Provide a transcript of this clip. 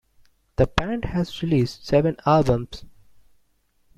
The band has released seven albums.